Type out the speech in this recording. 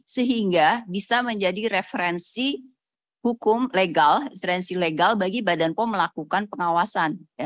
sehingga bisa menjadi referensi hukum legal referensi legal bagi badan pom melakukan pengawasan